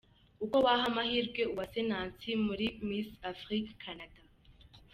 Uko waha amahirwe Uwase Nancy muri Miss Afrique Canada.